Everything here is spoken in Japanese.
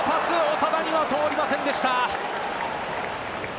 長田には通りませんでした。